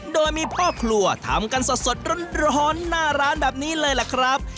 โดยมีพ่อครัวทำกันสดร้อนหน้าร้านแบบนี้เลยล่ะครับ